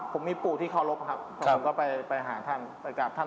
ผมมีปู่ที่เคารพครับผมก็ไปหาท่านไปกราบท่าน